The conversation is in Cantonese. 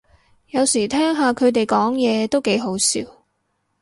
有時聽下佢哋講嘢都幾好笑